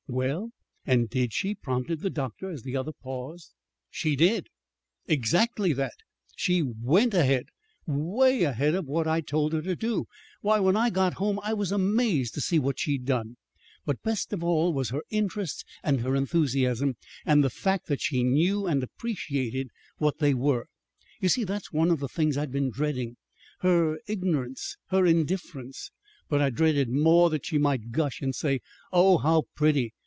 "Well, and did she?" prompted the doctor, as the other paused. "She did exactly that. She went ahead 'way ahead of what I'd told her to do. Why, when I got home, I was amazed to see what she'd done. But best of all was her interest and her enthusiasm, and the fact that she knew and appreciated what they were. You see that's one of the things I'd been dreading her ignorance her indifference; but I dreaded more that she might gush and say, 'Oh, how pretty!'